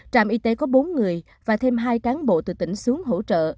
trạm y tế có bốn người và thêm hai cán bộ từ tỉnh xuống hỗ trợ